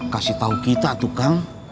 kasih tahu kita tuh kang